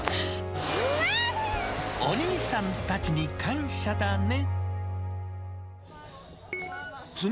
お兄さんたちに感謝だね。